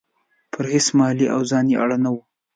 پر هیڅ مالي او ځاني اړ نه وو.